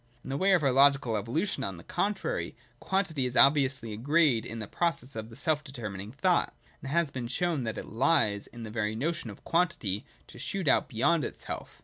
In the way of our logical evolution, on the contrary, quantity is obviously a grade in the process of self determining thought ; and it has been shown that it lies in the very notion of quantity to shoot out beyond itself.